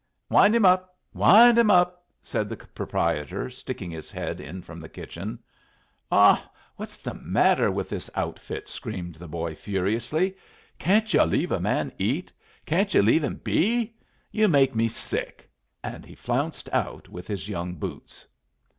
"Wind him up! Wind him up!" said the proprietor, sticking his head in from the kitchen. "Ah, what's the matter with this outfit?" screamed the boy, furiously. "Can't yu' leave a man eat? Can't yu' leave him be? You make me sick!" And he flounced out with his young boots.